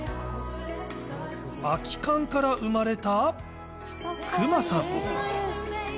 空き缶から生まれたクマさん。